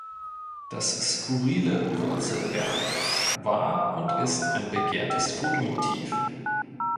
Das skurrile Wurzelwerk war und ist ein begehrtes Fotomotiv.